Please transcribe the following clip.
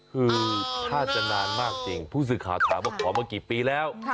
คือถ้าจะนานมากจริงผู้สื่อข่าวถามว่าขอมากี่ปีแล้ว